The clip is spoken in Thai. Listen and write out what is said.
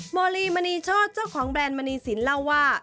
โมลีมณีโชธเจ้าของแบรนด์มณีสินเล่าว่า